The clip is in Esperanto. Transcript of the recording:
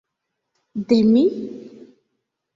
De mi?